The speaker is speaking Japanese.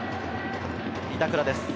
板倉です。